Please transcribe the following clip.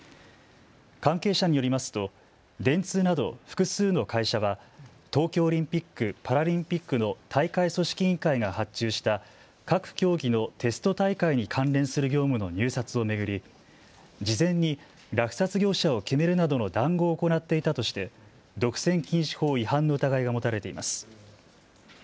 関係者によりますと電通など複数の会社は東京オリンピック・パラリンピックの大会組織委員会が発注した各競技のテスト大会に関連する業務の入札を巡り、事前に落札業者を決めるなどの談合を行っていたとして独占禁止法違反の疑いが持たれています。